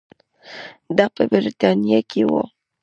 دا په برېټانیا کې وو.